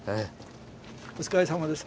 お疲れさまです。